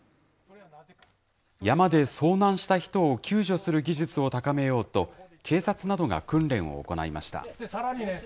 山で遭難した人を救助する技術を高めようと、警察などが訓練を行いました。